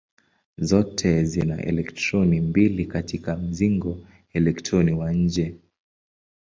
Zote zina elektroni mbili katika mzingo elektroni wa nje.